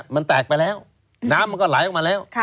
มันแตกไปแล้วน้ำมันก็ไหลออกมาแล้ว